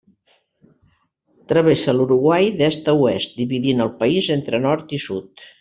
Travessa l'Uruguai d'est a oest, dividint el país entre nord i sud.